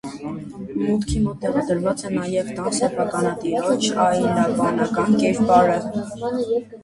Մուտքի մոտ տեղադրված է նաև տան սեփականատիրոջ այլաբանական կերպարը։